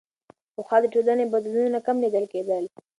پخوا د ټولنې بدلونونه کم لیدل کېدل.